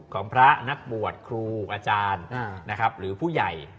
ของพระนักบวชครูอาจารย์นะครับหรือผู้ใหญ่